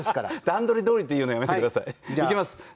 「段取りどおり」って言うのやめてください。